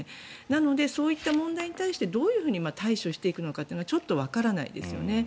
なので、そういった問題に対してどうやって対処していくのかちょっとわからないですよね。